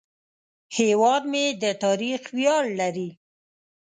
هیواد مې د تاریخ ویاړ لري